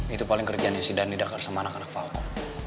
itu paling kerjaan yang si dany d'akkar sama anak anak falco